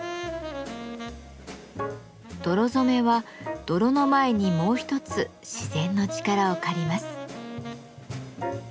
泥染めは泥の前にもう一つ自然の力を借ります。